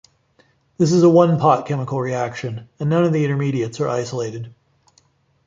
This is a one-pot chemical reaction, and none of the intermediates are isolated.